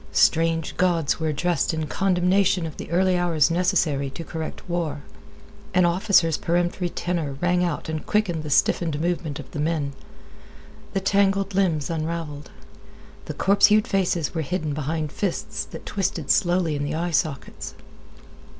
Strange gods were addressed in condemnation of the early hours necessary to correct war. An officer's peremptory tenor rang out and quickened the stiffened movement of the men. The tangled limbs unraveled. The corpse hued faces were hidden behind fists that twisted slowly in the eye sockets.